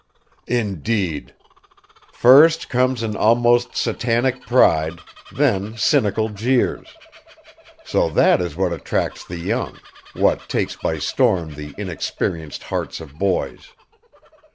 "Indeed! First comes an almost Satanic pride, then cynical jeers so that is what attracts the young, what takes by storm the inexperienced hearts of boys!